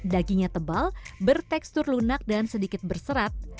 dagingnya tebal bertekstur lunak dan sedikit berserat